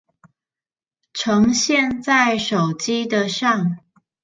呈現在手機的上